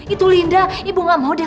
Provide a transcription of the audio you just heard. itu linda ibu gak mau dia